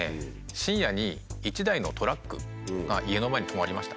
深夜に１台のトラックが家の前に止まりました。